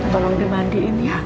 tolong dimandikan ya